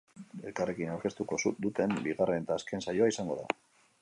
Elkarrekin aurkeztuko duten bigarren eta azken saioa izango da.